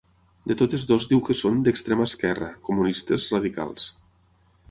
De totes dues diu que són ‘d’extrema esquerra, comunistes, radicals’.